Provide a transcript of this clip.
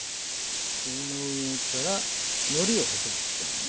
その上からのりを細く切ったもの。